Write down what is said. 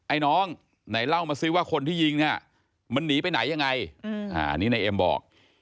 ไอ้น้องไหนเล่ามาซิว่าคนที่ยิงเนี่ยมันหนีไปไหนยังไงอันนี้นายเอ็มบอก